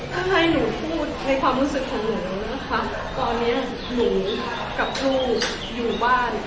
ถ้าให้หนูพูดในความรู้สึกของหนูนะคะตอนนี้หนูกับลูกอยู่บ้าน